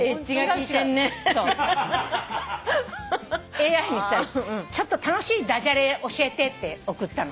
ＡＩにさ「ちょっと楽しい駄じゃれ教えて」って送ったの。